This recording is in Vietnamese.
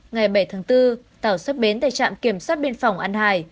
ngày bảy tháng bốn tàu xuất bến tại trạm kiểm soát biên phòng an hải